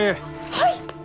はい！